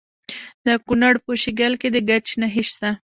د کونړ په شیګل کې د ګچ نښې شته.